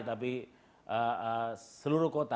tapi seluruh kota